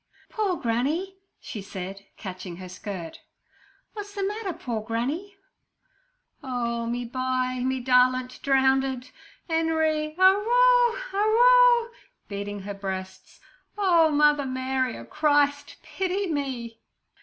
'Poor granny!' she said, catching her skirt. 'W'at's the matter, poor granny?' 'Oh, me bye—me darlint drownded! 'Enery, arroo, arroo!' beating her breasts. 'Oh, Mary, Mother o' Christ, pity me!'